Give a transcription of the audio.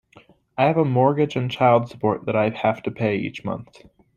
I have a mortgage and child support that I have to pay each month.